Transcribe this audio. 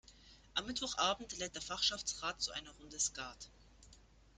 Am Mittwochabend lädt der Fachschaftsrat zu einer Runde Skat.